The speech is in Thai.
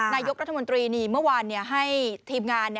นายกรัฐมนตรีเมื่อวานให้ทีมงาน